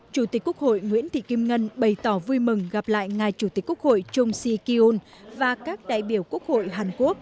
chủ tịch quốc hội nguyễn thị kim ngân bày tỏ vui mừng gặp lại ngài chủ tịch quốc hội chung sei kyun và các đại biểu quốc hội hàn quốc